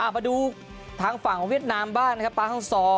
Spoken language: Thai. ประดูกทางฝั่งของเวียดนามบ้านปากข้างซอ